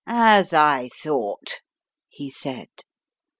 "As I thought," he said.